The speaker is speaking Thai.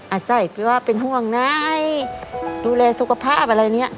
อาจใส่เพราะว่าเป็นห่วงนายดูแลสุขภาพอะไรเนี่ย